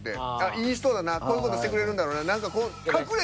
いい人だなこういう事してくれるんだろうな。